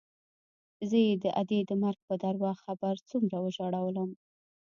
زه يې د ادې د مرګ په درواغ خبر څومره وژړولوم.